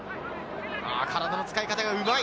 体の使い方がうまい。